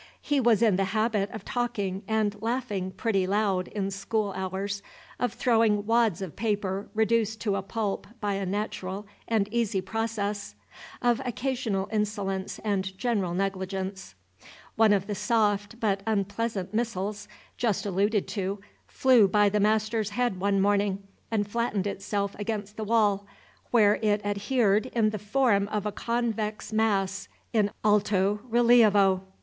He was in the habit of talking and laughing pretty loud in school hours, of throwing wads of paper reduced to a pulp by a natural and easy process, of occasional insolence and general negligence. One of the soft, but unpleasant missiles just alluded to flew by the master's head one morning, and flattened itself against the wall, where it adhered in the form of a convex mass in alto rilievo.